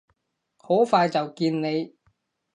好快就見你！